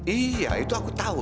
iya itu aku tahu